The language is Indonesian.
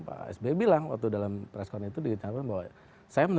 pak sby bilang waktu dalam preskon itu dikatakan bahwa